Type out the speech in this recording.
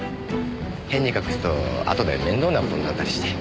変に隠すとあとで面倒な事になったりして。